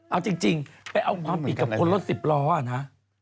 เอาจริงไปเอาความผิดกับคนรถสิบล้อนะ